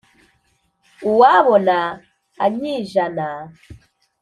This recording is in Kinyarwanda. Uwabona anyijana